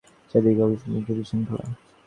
চারি দিকে কেবল লুণ্ঠনাবশিষ্ট বিশৃঙ্খলা।